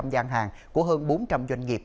gian hàng của hơn bốn trăm linh doanh nghiệp